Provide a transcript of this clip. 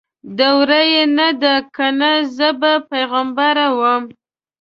دور یې نه دی کنه زه به پیغمبره ومه